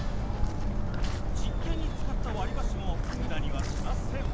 実験に使った割り箸も無駄にはしません。